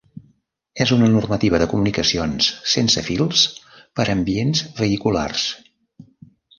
És una normativa de comunicacions sense fils per ambients vehiculars.